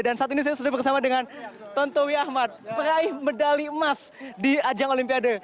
dan saat ini saya sudah bersama dengan tontowi ahmad peraih medali emas di ajang olimpiade